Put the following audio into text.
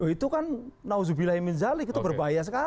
itu kan na'udzubillahiminzali itu berbahaya sekali